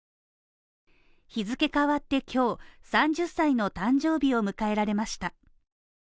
日付変わって今日３０歳の誕生日を迎えられました。